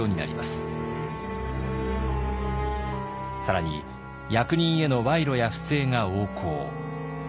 更に役人への賄賂や不正が横行。